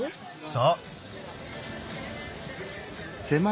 そう。